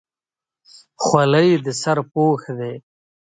خولۍ د سر پوښ دی.